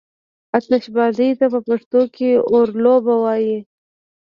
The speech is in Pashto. آتشبازي ته په پښتو کې اورلوبه وايي.